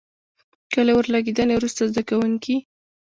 که له اور لګېدنې وروسته زده کوونکي.